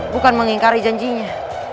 bukan mengingkari janjinya